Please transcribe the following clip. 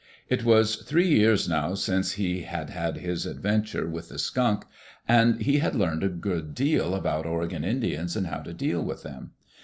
It was three years now since he had had his adventure with the skunk, and he had learned a good deal about Oregon Indians and how to deal with them.